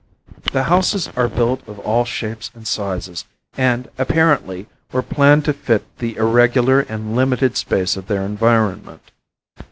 The houses are built of all shapes and sizes and, apparently, were planned to fit the irregular and limited space of their environment.